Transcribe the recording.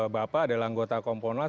bapak adalah anggota komponlas